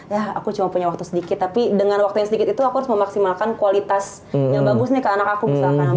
ya aku cuma punya waktu sedikit tapi dengan waktu yang sedikit itu aku harus memaksimalkan kualitas yang bagus nih ke anak aku misalkan